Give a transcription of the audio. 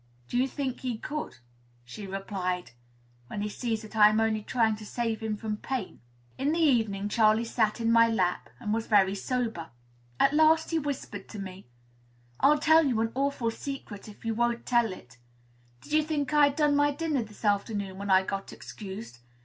"Do you think he could," she replied, "when he sees that I am only trying to save him from pain?" In the evening, Charley sat in my lap, and was very sober. At last he whispered to me, "I'll tell you an awful secret, if you won't tell. Did you think I had done my dinner this afternoon when I got excused?